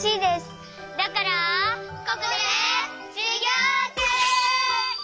ここでしゅぎょうちゅう！